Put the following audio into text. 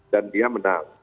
dan dia menang